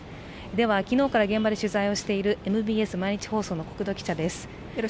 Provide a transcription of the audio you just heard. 昨日から現場で取材をしているＭＢＳ毎日放送の國土記者です。